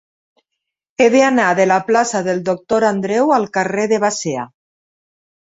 He d'anar de la plaça del Doctor Andreu al carrer de Basea.